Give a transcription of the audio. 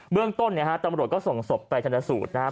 เรื่องต้นเนี่ยฮะตำรวจก็ส่งศพไปชนสูตรนะครับ